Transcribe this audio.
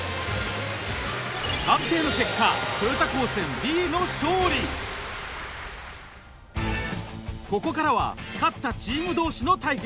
判定の結果ここからは勝ったチーム同士の対決。